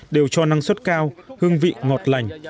đều cho năng suất cao hương vị ngọt lành